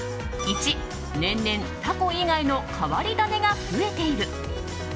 １、年々、タコ以外の変わり種が増えている。